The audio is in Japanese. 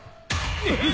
えっ！？